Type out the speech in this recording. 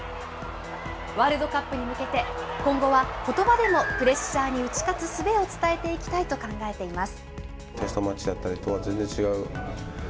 ワールドカップに向けて、今後はことばでもプレッシャーに打ち勝つすべを伝えていきたいと考えています。